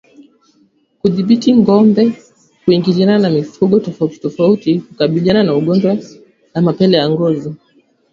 Kudhibiti ngombe kuingiliana na mifugo tofautitofauti hukabiliana na ugonjwa wa mapele ya ngozi